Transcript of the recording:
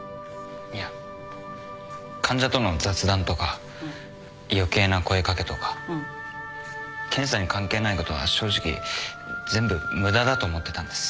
いや患者との雑談とか余計な声掛けとか検査に関係ないことは正直全部無駄だと思ってたんです。